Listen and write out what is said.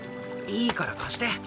いいから貸して。